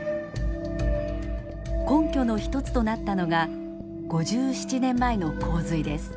根拠の一つとなったのが５７年前の洪水です。